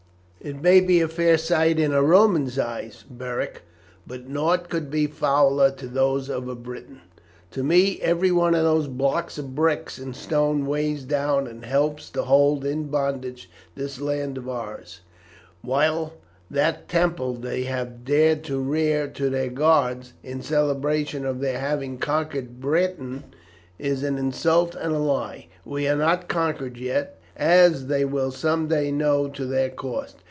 "It may be a fair sight in a Roman's eyes, Beric, but nought could be fouler to those of a Briton. To me every one of those blocks of brick and stone weighs down and helps to hold in bondage this land of ours; while that temple they have dared to rear to their gods, in celebration of their having conquered Britain, is an insult and a lie. We are not conquered yet, as they will some day know to their cost.